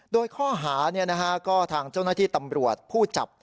โดยข้อหาก็ทางเจ้าหน้าที่ตำรวจผู้จับ